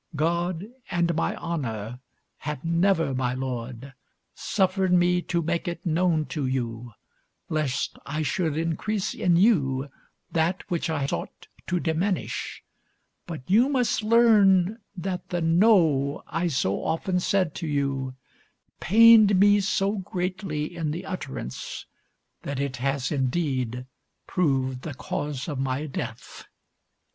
God and my honour have never, my lord, suffered me to make it known to you, lest I should increase in you that which I sought to diminish; but you must learn that the 'no' I so often said to you pained me so greatly in the utterance that it has indeed proved the cause of my death.